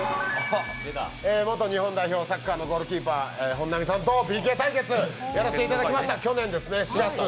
元日本代表、サッカーのゴールキーパー、本並さんとＰＫ対決やらせていただきました去年４月。